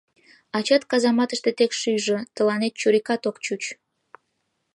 Ачат казаматыште тек шӱйжӧ — тыланет чурикат ок чуч.